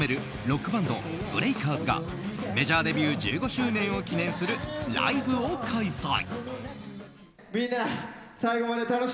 ロックバンドＢＲＥＡＫＥＲＺがメジャーデビュー１５周年を記念するライブを開催。